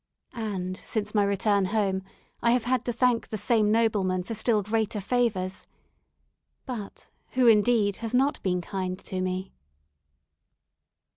And since my return home I have had to thank the same nobleman for still greater favours. But who, indeed, has not been kind to me?